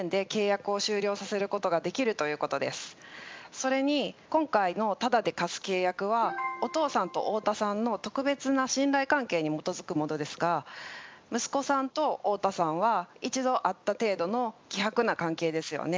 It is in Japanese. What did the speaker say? それに今回のタダで貸す契約はお父さんと太田さんの特別な信頼関係に基づくものですが息子さんと太田さんは一度会った程度の希薄な関係ですよね。